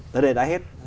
tới đây đã hết